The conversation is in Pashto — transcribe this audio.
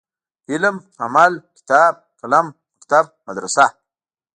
علم ،عمل ،کتاب ،قلم ،مکتب ،مدرسه